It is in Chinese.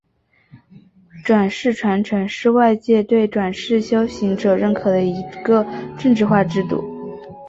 转世传承是外界对转世修行者认可的一个政治化制度。